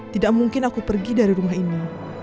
tidak mungkin aku pergi dari rumah ini